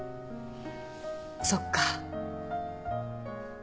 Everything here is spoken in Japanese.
そっか。